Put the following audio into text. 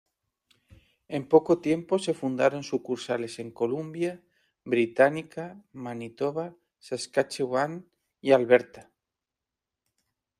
En poco tiempo se fundaron sucursales en Columbia Británica, Manitoba, Saskatchewan y Alberta.